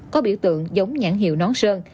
có biểu tượng giống nhãn hiệu nón sơn